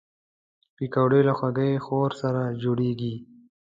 پکورې له خوږې خور سره جوړېږي